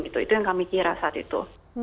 itu yang kami kira saat itu